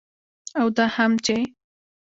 او دا هم چې